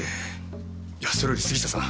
いやそれより杉下さん。